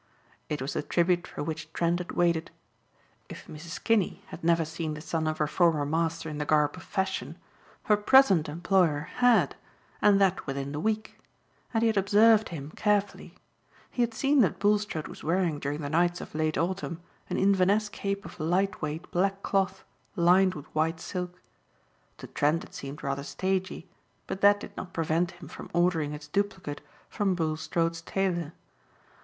It was the tribute for which Trent had waited. If Mrs. Kinney had never seen the son of her former master in the garb of fashion, her present employer had, and that within the week. And he had observed him carefully. He had seen that Bulstrode was wearing during the nights of late Autumn an Inverness cape of light weight black cloth, lined with white silk. To Trent it seemed rather stagey but that did not prevent him from ordering its duplicate from Bulstrode's tailor.